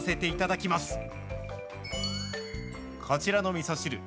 いただきます。